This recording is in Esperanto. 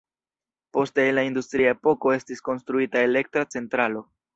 Poste en la industria epoko estis konstruita elektra centralo.